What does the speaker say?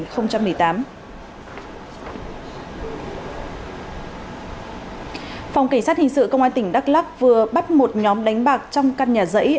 phòng kỳ sát hình sự công an tỉnh đắk lắk vừa bắt một nhóm đánh bạc trong căn nhà giấy